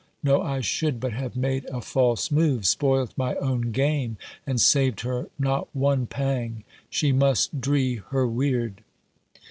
No, I should but have made a false move, spoilt my own game, and saved her not one pang. She must dree her weird."